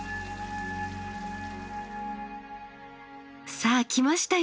さあ来ましたよ